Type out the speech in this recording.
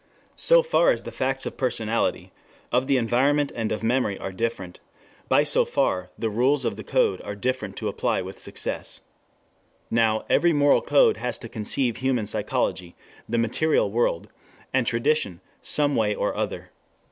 So far as the facts of personality, of the environment and of memory are different, by so far the rules of the code are difficult to apply with success. Now every moral code has to conceive human psychology, the material world, and tradition some way or other.